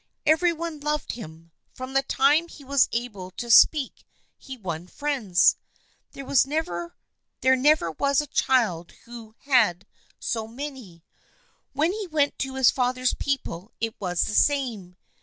Every one loved him. From the time that he was able to speak he won friends. There never was a child who had so many. When he went to his father's people it was the same.